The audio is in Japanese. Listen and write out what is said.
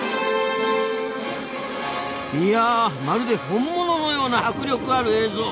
いやまるで本物のような迫力ある映像。